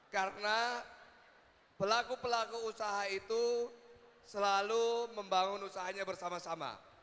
karena pelaku pelaku usaha itu selalu membangun usahanya bersama sama